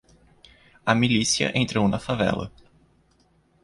A milícia entrou na favela.